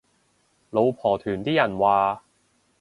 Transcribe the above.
老婆團啲人話